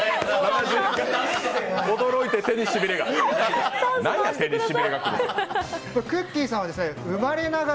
驚いて手にしびれが。